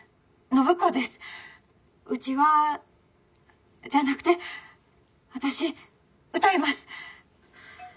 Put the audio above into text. うちはじゃなくて私歌います」。